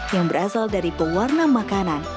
yang berasal dari pewarna makanan